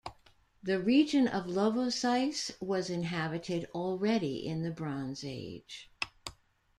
The region of Lovosice was inhabited already in the Bronze Age.